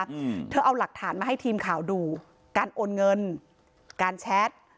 อืมเธอเอาหลักฐานมาให้ทีมข่าวดูการโอนเงินการแชท